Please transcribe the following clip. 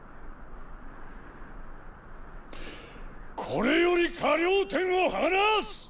これより河了貂を放す！